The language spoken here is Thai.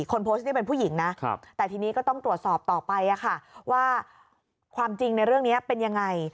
คนโพสต์นี่เป็นผู้หญิงนะแต่ทีนี้ก็ต้องตรวจสอบต่อไปค่ะว่าความจริงในเรื่องนี้เป็นยังไง